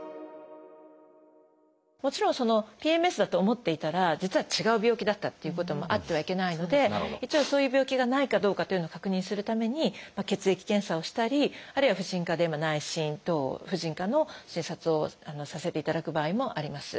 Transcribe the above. もちろんＰＭＳだと思っていたら実は違う病気だったっていうこともあってはいけないので一応そういう病気がないかどうかというのを確認するために血液検査をしたりあるいは婦人科で内診等婦人科の診察をさせていただく場合もあります。